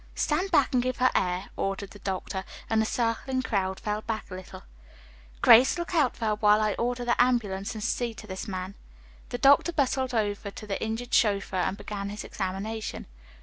"Stand back and give her air," ordered the doctor, and the circling crowd fell back a little. "Grace, look out for her while I order the ambulance and see to this man." The doctor bustled over to the injured chauffeur, and began his examination.